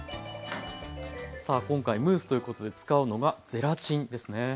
さあ今回ムースということで使うのがゼラチンですね。